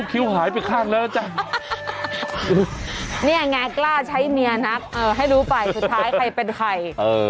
คิ้วหายไปข้างแล้วจ้ะเนี่ยไงกล้าใช้เมียนักเออให้รู้ไปสุดท้ายใครเป็นใคร